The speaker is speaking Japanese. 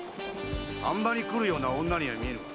飯場に来るような女には見えぬが？